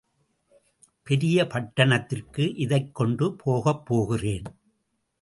பெரிய பட்டணத்திற்கு இதைக் கொண்டு போகப் போகிறேன்.